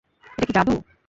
এটা কি জাদু?